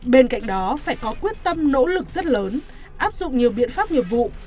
bên cạnh đó phải có quyết tâm nỗ lực rất lớn áp dụng nhiều biện pháp nghiệp vụ